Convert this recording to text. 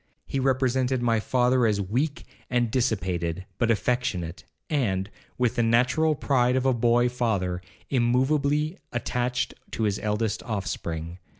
He represented my father as weak and dissipated, but affectionate; and, with the natural pride of a boy father, immoveably attached to his eldest offspring.